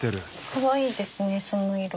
かわいいですねその色。